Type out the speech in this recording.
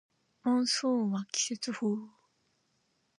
モンスーンは季節風